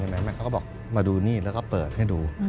เขาก็บอกมาดูนี่แล้วก็เปิดให้ดู